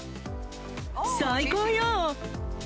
最高よ！